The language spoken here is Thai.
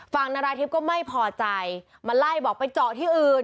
นาราธิบก็ไม่พอใจมาไล่บอกไปเจาะที่อื่น